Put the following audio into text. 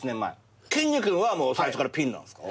きんに君は最初からピンなんすか？